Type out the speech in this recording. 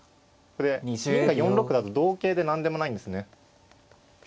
銀が４六だと同桂で何でもないんですね。